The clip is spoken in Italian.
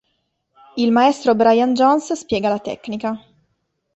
Il maestro Brian Jones spiega la tecnica.